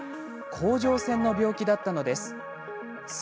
甲状腺の病気だったのです。